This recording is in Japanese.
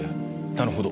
なるほど。